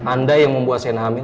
anda yang membuat sn hamil